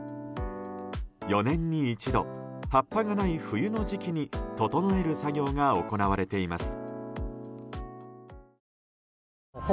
４年に一度、葉っぱがない冬の時期に整える作業が行われています。